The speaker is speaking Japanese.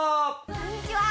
こんにちは！